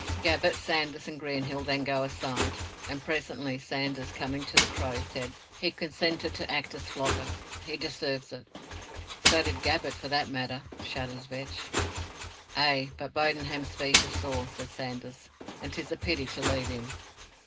Gabbett, Sanders and Greenhill then go aside, and presently Sanders, coming to the Crow, said, "He consented to act as flogger. He deserves it." "So did Gabbett, for that matter," shudders Vetch. "Ay, but Bodenham's feet are sore," said Sanders, "and 'tis a pity to leave him."